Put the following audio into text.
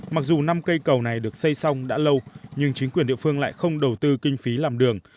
mặc dù năm cây cầu này được xây xong đã lâu nhưng chính quyền địa phương lại không đầu tư kinh phí làm đường